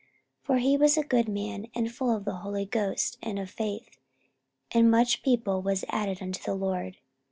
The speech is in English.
44:011:024 For he was a good man, and full of the Holy Ghost and of faith: and much people was added unto the Lord.